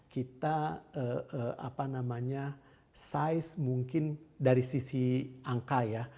kita apa namanya size mungkin dari sisi angka ya